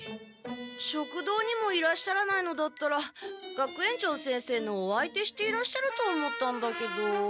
食堂にもいらっしゃらないのだったら学園長先生のお相手していらっしゃると思ったんだけど。